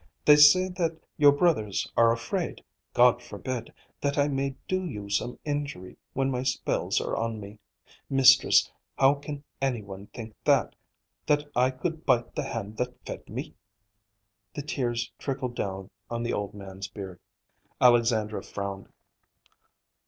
They say that your brothers are afraid—God forbid!—that I may do you some injury when my spells are on me. Mistress, how can any one think that?—that I could bite the hand that fed me!" The tears trickled down on the old man's beard. Alexandra frowned.